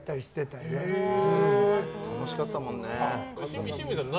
楽しかったもんね。